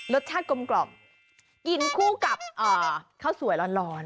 รสชาติกลมกินคู่กับข้าวสวยร้อน